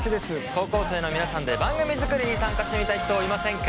高校生の皆さんで番組作りに参加してみたい人はいませんか？